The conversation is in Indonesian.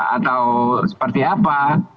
atau seperti apa